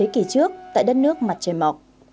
kỷ trước tại đất nước mặt trời mọc